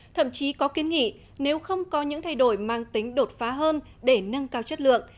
thậm chí có kiến nghị nếu không có những thay đổi mang tính đột phá hơn để nâng cao chất lượng